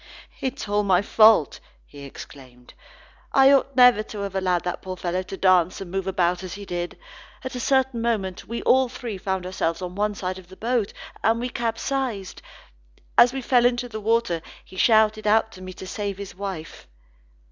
"It is all my fault," he exclaimed. "I ought never to have allowed that poor fellow to dance and move about as he did. At a certain moment we all three found ourselves on one side of the boat, and we capsized. As we fell into the water, he shouted out to me to save his wife."